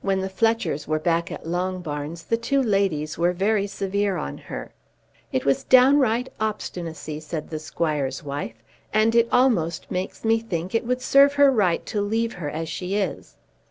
When the Fletchers were back at Longbarns, the two ladies were very severe on her. "It was downright obstinacy," said the squire's wife, "and it almost makes me think it would serve her right to leave her as she is."